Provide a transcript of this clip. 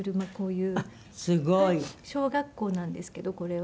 あっすごい。小学校なんですけどこれは。